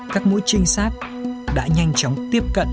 các mũi trinh sát đã nhanh chóng tiếp tục đối tượng